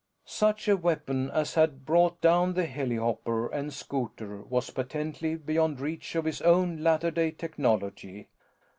Such a weapon as had brought down the helihopper and scouter was patently beyond reach of his own latter day technology.